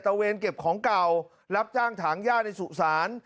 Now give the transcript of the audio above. เวนเก็บของเก่ารับจ้างถางย่าในสุสาน